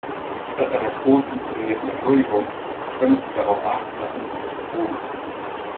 Statt einer groß inszenierten Entschuldigung könntest du darauf achten, das nicht mehr zu tun.